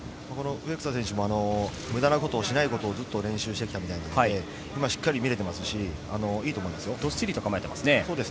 植草選手も無駄なことをしないことをずっと練習してきたみたいなので、しっかり見れてますし、いいと思います。